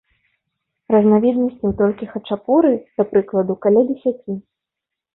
Разнавіднасцяў толькі хачапуры, да прыкладу, каля дзесяці.